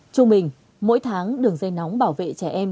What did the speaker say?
trung bình mỗi tháng đường dây nóng bảo vệ trẻ em